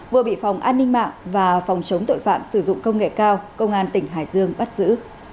vừa bị phòng an ninh mạng và phòng chống tội phạm sử dụng công nghệ cao công an tỉnh hải dương bắt giữ